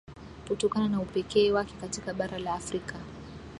kutokana na upekee wake katika bara la Afrika